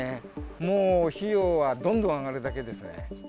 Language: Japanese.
もう費用はどんどん上がるだけですね。